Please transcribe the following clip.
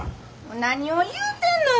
何を言うてんのよ